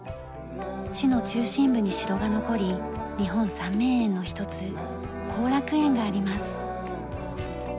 市の中心部に城が残り日本三名園の一つ後楽園があります。